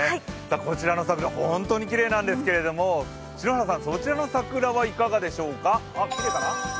こちらの桜、本当にきれいなんですけれども、篠原さんそちらの桜はいかがでしょうか？